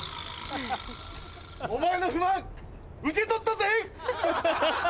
お前の不満受け取ったぜ！